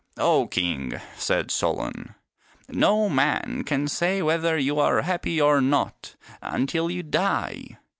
" O king," said Solon, " no man can say whether you are happy or not until you die.